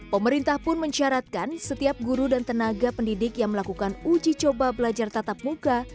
pemerintah pun mencaratkan setiap guru dan tenaga pendidik yang melakukan uji coba belajar tatap muka